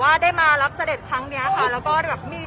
เราขอแสดงความสุขนักภัณฑ์ดีต่อพระองค์แล้วเราอยากน้ำกล้ามวันนี้